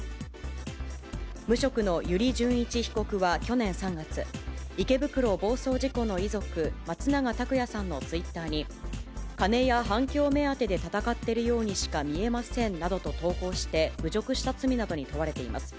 無職の油利潤一被告は、去年３月、池袋暴走事故の遺族、松永拓也さんのツイッターに、金や反響目当てで闘っているようにしか見えませんなどと投稿して、侮辱した罪などに問われています。